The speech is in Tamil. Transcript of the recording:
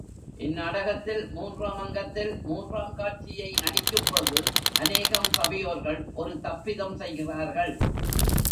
இந்நாடகத்தில், மூன்றாம் அங்கத்தில் மூன்றாம் காட்சியை நடிக்கும் பொழுது அநேகம் சபையோர்கள் ஒரு தப்பிதம் செய்கிறார்கள்.